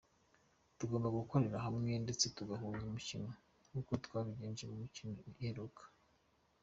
Tugomba gukorera hamwe ndetse tugahuza umukino nkuko twabigenje mu mikino iheruka.